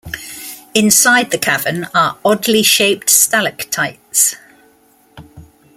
Inside the cavern are oddly-shaped stalactites.